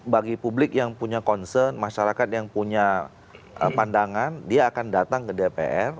bagi publik yang punya concern masyarakat yang punya pandangan dia akan datang ke dpr